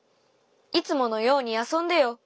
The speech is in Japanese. いつものようにあそんでよ！